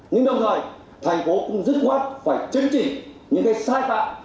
nhưng đồng thời thành phố cũng dứt quát phải chứng chỉ những cái sai phạm